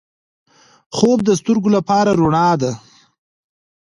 خوب د سترګو لپاره رڼا ده